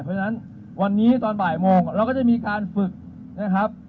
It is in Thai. เพราะฉะนั้นวันนี้ตอนบ่ายโมงเราก็จะมีการฝึกนะครับ